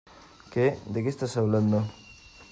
¿ Qué? ¿ de qué estás hablando ?